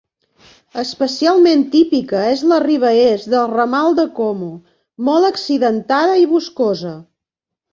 Especialment típica és la riba est del ramal de Como, molt accidentada i boscosa.